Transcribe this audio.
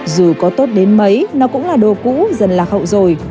dù có tốt đến mấy nó cũng là đồ cũ dần lạc hậu rồi